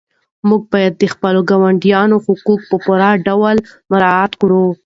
موږ باید د خپلو ګاونډیانو حقوق په پوره ډول مراعات کړو.